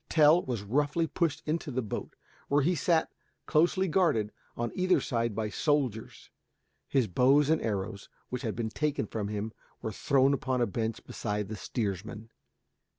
Tell was roughly pushed into the boat, where he sat closely guarded on either side by soldiers. His bow and arrows, which had been taken from him, were thrown upon a bench beside the steersman.